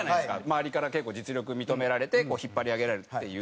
周りから結構実力認められて引っ張り上げられるっていう。